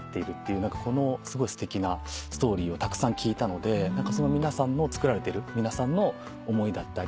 すごいすてきなストーリーをたくさん聞いたのでつくられてる皆さんの思いだったり。